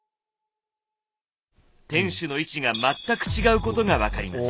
天守の位置が全く違うことが分かります。